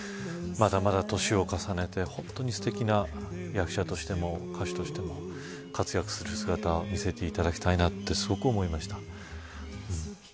まだまだ年を重ねて本当にすてきな役者としても歌手としても活躍する姿見せていただきたいなってすごく思いました。